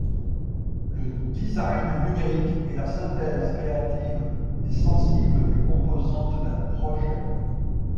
Le design numérique est la synthèse créative et sensible des composantes d'un projet.